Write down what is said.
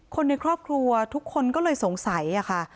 คนในครอบครัวทุกคนก็เลยสงสัยค่ะ